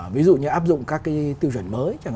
ví dụ như áp dụng các cái tiêu chuẩn mới